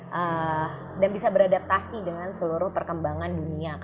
memahami dan bisa beradaptasi dengan seluruh perkembangan dunia